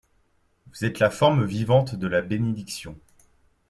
Vous êtes la forme vivante de la bénédiction.